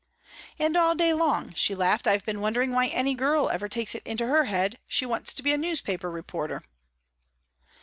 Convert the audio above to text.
"And all day long," she laughed, "I've been wondering why any girl ever takes it into her head she wants to be a newspaper reporter."